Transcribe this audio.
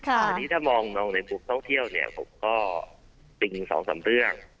อันนี้ถ้ามองในมุมท่องเที่ยวเนี่ยผมก็จริง๒๓เรื่อง